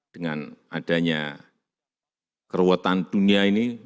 dengan adanya keruetan dunia ini